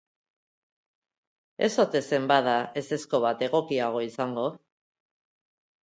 Ez ote zen bada ezezko bat egokiago izango?